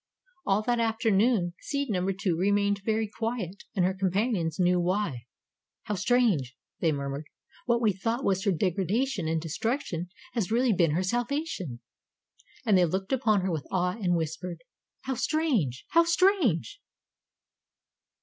All that afternoon seed number Two remained very quiet and her companions knew why. "How strange!" they murmured. "What we thought was her degradation and destruction has really been her salvation." And they looked upon her with awe and whispered: "How strange! How strange!"